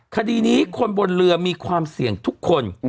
คดีนี้คนบนเรือมีความเสี่ยงทุกคน